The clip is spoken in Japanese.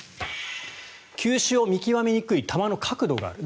球種を見極めにくい球の角度がある。